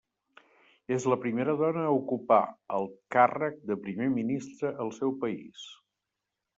És la primera dona a ocupar el càrrec de primer ministre al seu país.